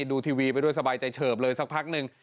ดูทีวีไปด้วยสบายใจเฉิบเลยสักพักหนึ่ง